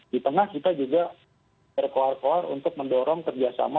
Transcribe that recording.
di tengah kita juga berkuar kuar untuk mendorong kerjasama